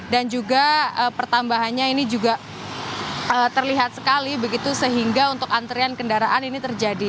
dan juga pertambahannya ini juga terlihat sekali sehingga untuk antrian kendaraan ini terjadi